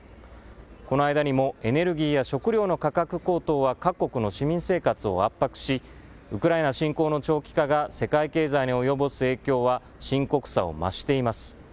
この間にもエネルギーや食料の価格高騰は各国の市民生活を圧迫し、ウクライナ侵攻の長期化が世界経済に及ぼす影響は深刻さを増しています。